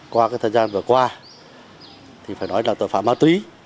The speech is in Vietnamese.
qua thời gian vừa qua thì phải nói là tội phạm ma túy